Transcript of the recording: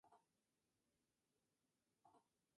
Es medicina tradicional china: bazo, estómago e hígado.